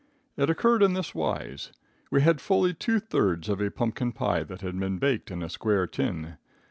It occurred in this wise: We had fully two thirds of a pumpkin pie that had been baked in a square tin.